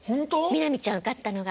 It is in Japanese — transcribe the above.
南ちゃん受かったのが。